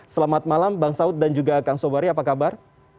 selamat malam bang saud dan juga kang sobari apa kabar